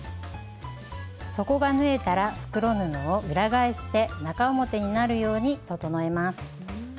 底が縫えたら袋布を裏返して中表になるように整えます。